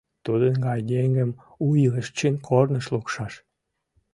Тудын гай еҥым у илыш чын корныш лукшаш.